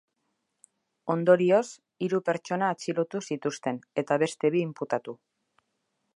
Ondorioz, hiru pertsona atxilotu zituzten, eta beste bi inputatu.